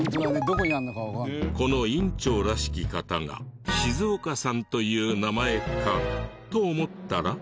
この院長らしき方が静岡さんという名前かと思ったら。